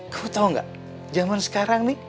kamu tahu nggak zaman sekarang nih